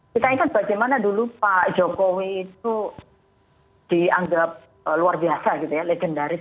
kita ingat bagaimana dulu pak jokowi itu dianggap luar biasa gitu ya legendaris